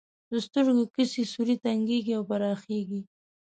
د سترګو کسي سوری تنګیږي او پراخیږي.